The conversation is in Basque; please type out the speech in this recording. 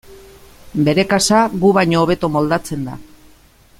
Bere kasa gu baino hobeto moldatzen da.